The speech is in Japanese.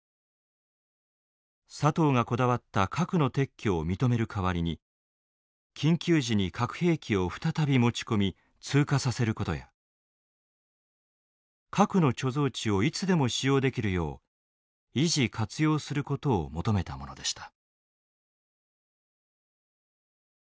佐藤がこだわった核の撤去を認める代わりに緊急時に核兵器を再び持ち込み通過させることや核の貯蔵地をいつでも使用できるよう維持活用することを求めたものでした。